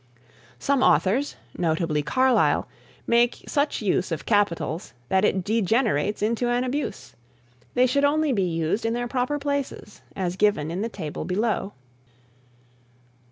Some authors, notably Carlyle, make such use of Capitals that it degenerates into an abuse. They should only be used in their proper places as given in the table below.